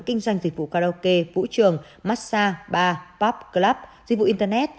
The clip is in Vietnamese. kinh doanh dịch vụ karaoke vũ trường massage bar pub club dịch vụ internet